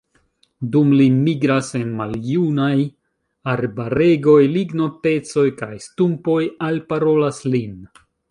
Dum li migras en maljunaj arbaregoj, lignopecoj kaj stumpoj “alparolas lin.